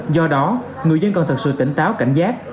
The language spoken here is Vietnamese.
do đó người dân cần thật sự tỉnh táo cảnh giác